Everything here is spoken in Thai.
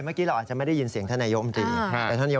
เมื่อกี้เราอาจจะไม่ได้ยินเสียงธนายกบุรรณ์อบมตรี